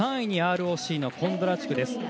３位にＲＯＣのコンドラチュク。